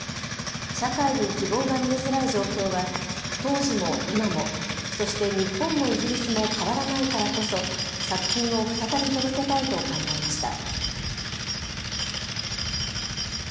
社会に希望が見えづらい状況は当時も今も、そして日本もイギリスも変わらないからこそ作品を再び届けたいと考えました。